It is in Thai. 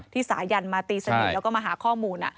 สายันมาตีสนิทแล้วก็มาหาข้อมูล